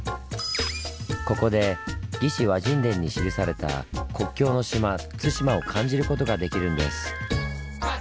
ここで「魏志倭人伝」に記された「国境の島・対馬」を感じることができるんです。